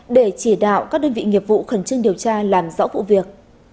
để chỉ đạo các đơn vị nghiệp vụ khẩn trương điều tra làm rõ vụ việc